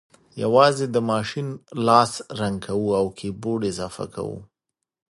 یوازې د ماشین لاس رنګ کوو او کیبورډ اضافه کوو